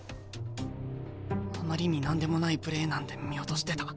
あまりに何でもないプレーなんで見落としてた。